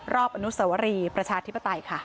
รอบอนุสวรีประชาธิปไตยค่ะ